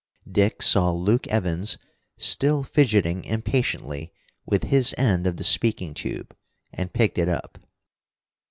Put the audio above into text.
Dick saw Luke Evans still fidgeting impatiently with his end of the speaking tube, and picked it up.